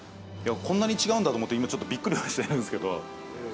こんなに違うんだと思って今ちょっとビックリはしてるんですけど。